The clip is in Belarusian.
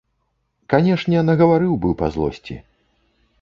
Канешне, нагаварыў бы па злосці.